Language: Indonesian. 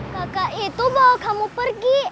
kakak itu bawa kamu pergi